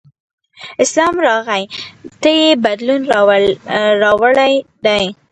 اسلام راغی ته یې بدلون راوړی دی.